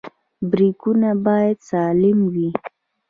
برېکونه باید سالم وي.